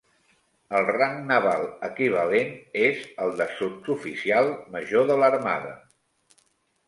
El rang naval equivalent és el de Sotsoficial Major de l'Armada.